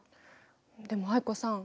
でも藍子さん